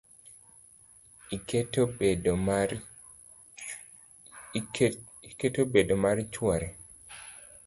Iketo bedo mar chwore.